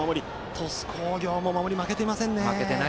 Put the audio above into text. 鳥栖工業も守り、負けてません。